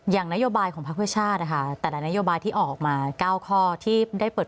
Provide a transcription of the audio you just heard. อย่างนโยบายของพรรคเครือชาตินะคะแต่ละนโยบายที่ออกมาเก้าข้อที่ได้เปิด